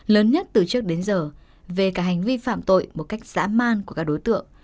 lớn nhất từ trước đến giờ về cả hành vi phạm tội một cách dã man của các đối tượng